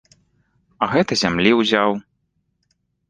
А гэта зямлі ўзяў.